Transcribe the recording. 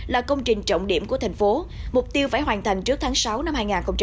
là công trình trọng điểm của thành phố mục tiêu phải hoàn thành trước tháng sáu năm hai nghìn hai mươi